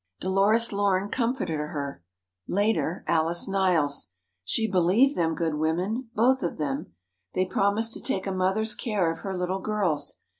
Dolores Lorne comforted her ... later, Alice Niles. She believed them good women, both of them. They promised to take a mother's care of her little girls.